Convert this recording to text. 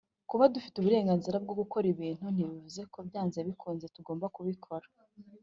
Kuba dufite uburenganzira bwo gukora ibintu ntibivuga ko byanze bikunze tugomba kubikora